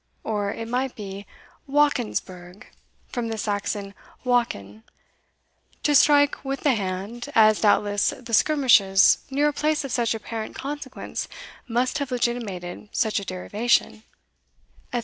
Or, it might be Whackens burgh, from the Saxon Whacken, to strike with the hand, as doubtless the skirmishes near a place of such apparent consequence must have legitimated such a derivation," etc.